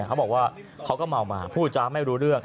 เขาบอกว่าเขาก็เมามาพูดจ้าไม่รู้เรื่อง